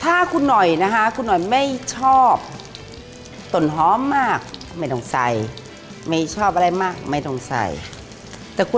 ถ้าคุณหน่อยนะคะคุณหน่อยไม่ชอบตนหอมมากไม่ต้องใส่ไม่ชอบอะไรมาก